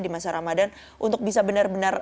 di masa ramadhan untuk bisa benar benar